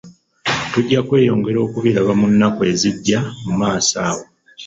Tujja kweyongera okubiraba mu nnaku ezijja mu maaso awo.